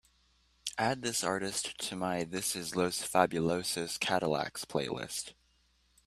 add this artist to my this is Los Fabulosos Cadillacs playlist